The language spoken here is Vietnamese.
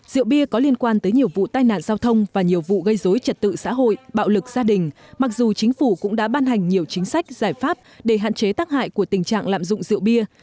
rượu bia có liên quan tới nhiều vụ tai nạn giao thông và nhiều vụ gây dối trật tự xã hội bạo lực gia đình mặc dù chính phủ cũng đã ban hành nhiều chính sách giải pháp để hạn chế tắc hại của tình trạng lạm dụng rượu bia